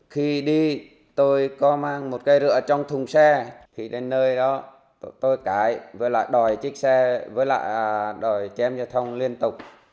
khi đi tôi có mang một cây rượu trong thùng xe thì đến nơi đó tôi cãi với lại đòi chiếc xe với lại đòi chém giao thông liên tục